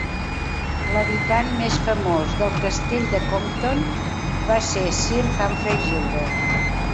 L'habitant més famós del castell de Compton va ser Sir Humphrey Gilbert.